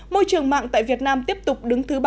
môi trường mạng tại việt nam tiếp tục đứng thứ ba